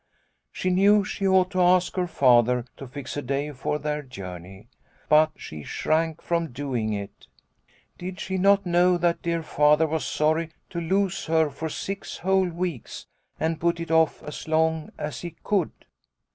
" She knew she ought to ask her Father to fix a day for their journey. But she shrank from doing it. Did she not know that dear Father was sorry to lose her for six whole weeks, and put it off as long as he could